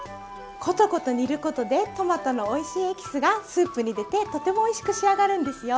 コトコト煮ることでトマトのおいしいエキスがスープに出てとてもおいしく仕上がるんですよ。